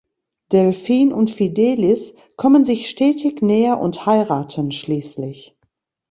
Delphine und Fidelis kommen sich stetig näher und heiraten schließlich.